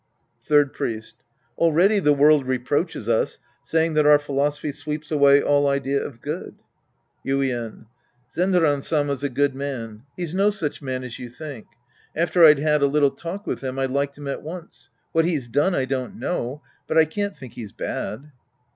Third Priest. Already the world reproaches us, say ing that our philosophy sweeps away all idea of good. Yuien. Zenran Sama's a good man. He's no such man as you think. After I'd had a little talk with him, I liked him at once. What he's done, I don't know, but I can't think he's bad.